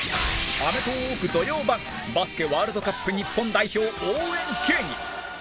『アメトーーク』土曜版バスケワールドカップ日本代表応援芸人